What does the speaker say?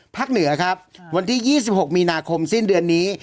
เหนือครับวันที่๒๖มีนาคมสิ้นเดือนนี้